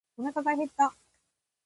おなかが減った。